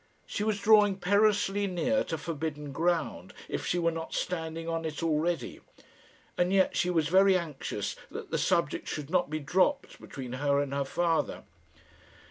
She was drawing perilously near to forbidden ground, if she were not standing on it already; and yet she was very anxious that the subject should not be dropped between her and her father.